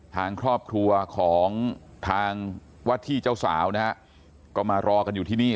ทางครอบครัวของทางวัดที่เจ้าสาวนะฮะก็มารอกันอยู่ที่นี่